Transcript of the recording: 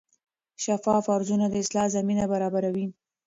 شفاف ارزونه د اصلاح زمینه برابروي.